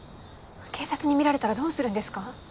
警察に見られたらどうするんですか？